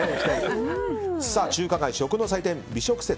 中華街、食の祭典・美食節